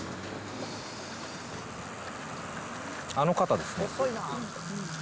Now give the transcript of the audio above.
あの方ですね。